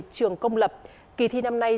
trường công lập kỳ thi năm nay